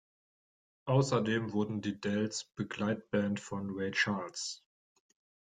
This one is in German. Außerdem wurden die Dells Begleitband von Ray Charles.